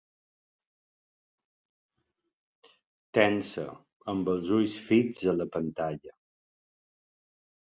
Tensa, amb els ulls fits a la pantalla.